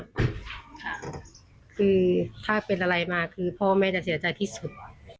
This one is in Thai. ค่ะคือถ้าเป็นอะไรมาคือพ่อแม่จะเสียใจที่สุด